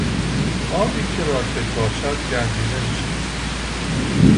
آبی که راکد باشد گندیده میشود.